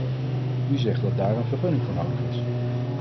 U zegt dat daar een vergunning voor nodig is.